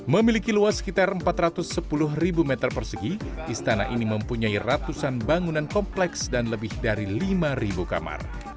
memiliki luas sekitar empat ratus sepuluh ribu meter persegi istana ini mempunyai ratusan bangunan kompleks dan lebih dari lima kamar